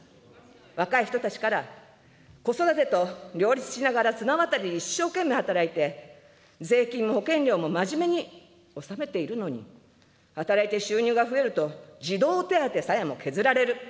若い人たちから、子育てと両立しながら綱渡りで一生懸命働いて、税金も保険料も真面目に納めているのに、働いて収入が増えると児童手当さえも削られる。